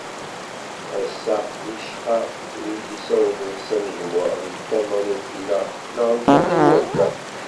Ass-a, wicqa win i d-issawlen s anejmuɛ, n tama n ufella neɣ n tama n wadda.